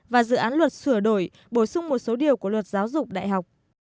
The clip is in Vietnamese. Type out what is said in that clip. và dự án luật sửa đổi bổ sung một số điều của luật giáo dục đại học